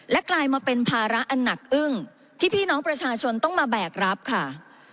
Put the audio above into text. กลายมาเป็นภาระอันหนักอึ้งที่พี่น้องประชาชนต้องมาแบกรับค่ะ